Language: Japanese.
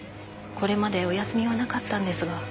これまでお休みはなかったんですが。